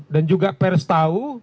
dan juga pers tahu